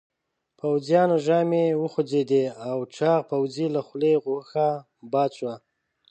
پوځيانو ژامې وخوځېدې او د چاغ پوځي له خولې غوښه باد شوه.